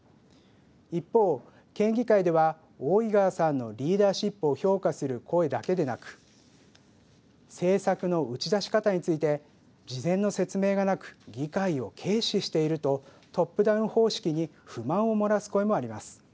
一方県議会では大井川さんのリーダーシップを評価する声だけでなく政策の打ち出し方について事前の説明がなく議会を軽視しているとトップダウン方式に不満を漏らす声もあります。